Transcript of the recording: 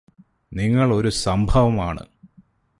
നിങ്ങൾ ഒരു സംഭവം ആണ്